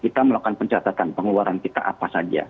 kita melakukan pencatatan pengeluaran kita apa saja